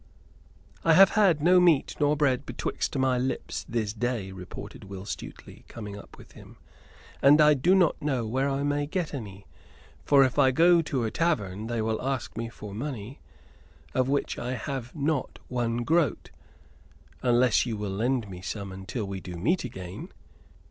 "I have had no meat nor bread betwixt my lips this day," retorted Will Stuteley, coming up with him. "And I do not know where I may get any, for if I go to a tavern they will ask me for money, of which I have not one groat, unless you will lend me some until we do meet again?"